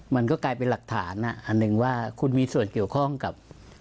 มันก็กลายเป็นหลักฐานอันหนึ่งว่าคุณมีส่วนเกี่ยวข้องกับ